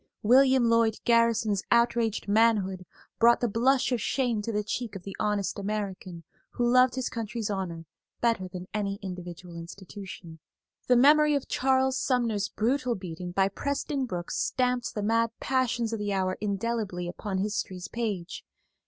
William Lloyd Garrison's outraged manhood brought the blush of shame to the cheek of the honest American who loved his country's honor better than any individual institution. The memory of Charles Sumner's brutal beating by Preston Brooks stamped the mad passions of the hour indelibly upon history's page.